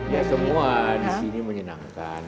ya semua di sini menyenangkan